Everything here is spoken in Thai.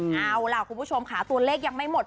เอาล่ะคุณผู้ชมค่ะตัวเลขยังไม่หมด